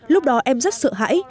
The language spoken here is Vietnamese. lúc đó em rất sợ hãi